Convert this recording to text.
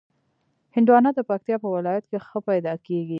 هندوانه د پکتیا په ولایت کې ښه پیدا کېږي.